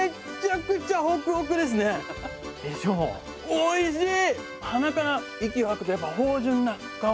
おいしい！